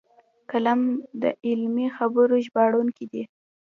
قلم د علمي خبرو ژباړونکی دی